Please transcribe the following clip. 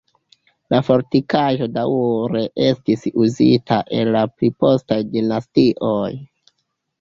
La fortikaĵo daŭre estis uzita en la pli postaj dinastioj.